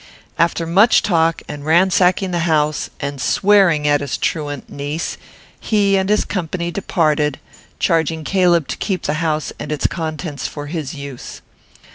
After much talk and ransacking the house, and swearing at his truant niece, he and his company departed, charging Caleb to keep the house and its contents for his use.